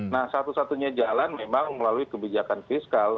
nah satu satunya jalan memang melalui kebijakan fiskal